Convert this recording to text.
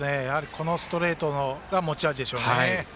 このストレートが持ち味ですね。